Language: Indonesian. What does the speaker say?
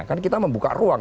kan kita membuka ruang